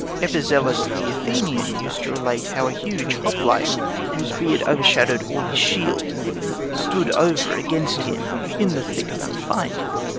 Epizelus, the Athenian, used to relate how a huge hoplite, whose beard over shadowed all his shield, stood over against him in the thick of the fight.